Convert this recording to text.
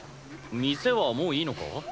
店はもういいのか？